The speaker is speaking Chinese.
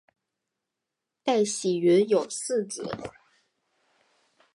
戴喜云有四子。